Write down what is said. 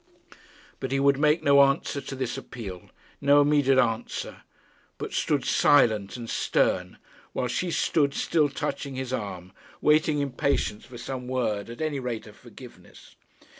But he would make no answer to this appeal, no immediate answer; but stood silent and stern, while she stood still touching his arm, waiting in patience for some word at any rate of forgiveness.